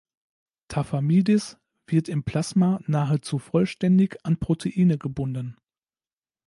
Tafamidis wird im Plasma nahezu vollständig an Proteine gebunden.